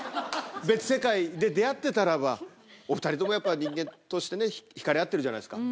別世界で出会ってたらば、お２人ともやっぱ、人間として引かれ合ってるじゃないですか。